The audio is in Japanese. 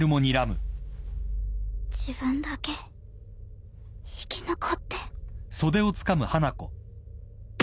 自分だけ生き残って。